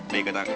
baik kita angkat